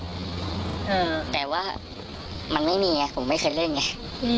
เออแต่ว่ามันไม่มีไงผมไม่เคยเล่นไง